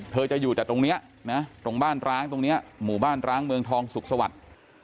เธอจะอยู่แต่ตรงนี้นะตรงบ้านร้างตรงนี้หมู่บ้านร้างเมืองทองสุขสวัสดิ์